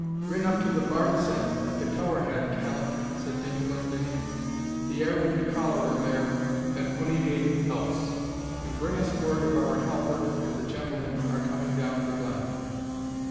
"Rin up to the bartizan at the tower head, callant," said Dame Glendinning, "the air will be callerer there than ony gate else, and bring us word if our Halbert and the gentleman are coming down the glen."